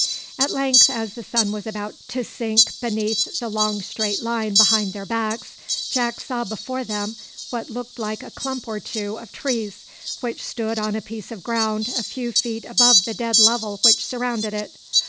At length, as the sun was about to sink beneath the long straight line behind their backs, Jack saw before them what looked like a clump or two of trees which stood on a piece of ground a few feet above the dead level which surrounded it.